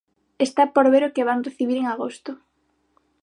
Está por ver o que van recibir en agosto.